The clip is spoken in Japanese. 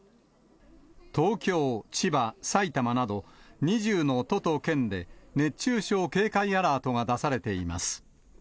東京、千葉、埼玉など２０の都と県で、熱中症警戒アラートが出されています。